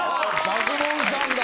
爆問さんだ。